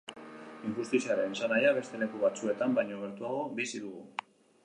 Injustiziaren esanahia beste leku batzuetan baino gertuago bizi dugu.